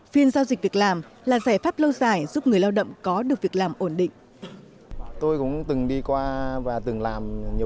phiên giao dịch việc làm là giải pháp lâu dài giúp người lao động có được việc làm ổn định